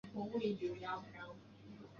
该症出现于月经周期的黄体期。